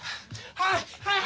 はい！